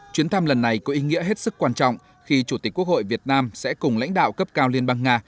chuyến thăm lần này có ý nghĩa hết sức quan trọng khi chủ tịch quốc hội việt nam sẽ cùng lãnh đạo cấp cao liên bang nga